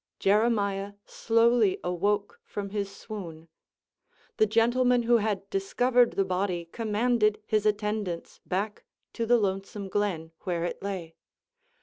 Jeremiah slowly awoke from his swoon. The gentleman who had discovered the body commanded his attendants back to the lonesome glen, where it lay.